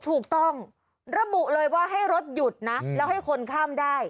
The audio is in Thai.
ถูกต้องระบุเลยว่าให้รถหยุดนะแล้วให้คนข้ามได้